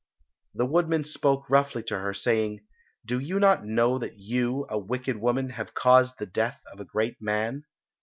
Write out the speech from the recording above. The woodman spoke roughly to her, saying, "Do you not know that you, a wicked woman, have caused the death of a great man?"